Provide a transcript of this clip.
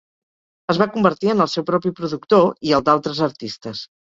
Es va convertir en el seu propi productor i el d'altres artistes.